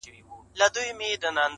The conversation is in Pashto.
دا کيسه تل پوښتنه پرېږدي,